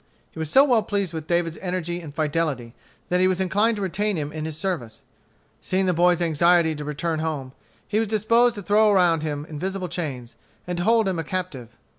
He was so well pleased with David's energy and fidelity, that he was inclined to retain him in his service. Seeing the boy's anxiety to return home, he was disposed to throw around him invisible chains, and to hold him a captive.